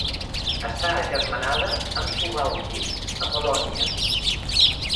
Està agermanada amb Suwałki, a Polònia.